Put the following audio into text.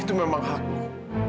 itu memang hak lo